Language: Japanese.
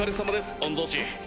御曹司。